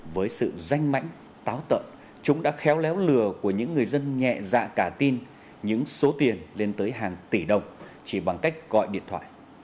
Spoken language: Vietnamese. với sự danh mãnh táo tợn chúng đã khéo léo lừa của những người dân nhẹ dạ cả tin những số tiền lên tới hàng tỷ đồng chỉ bằng cách gọi điện thoại